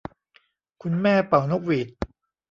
คุณแม่เป่านกหวีด